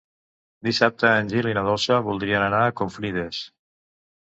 Dissabte en Gil i na Dolça voldrien anar a Confrides.